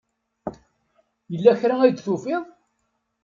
Yella kra ay d-tufiḍ?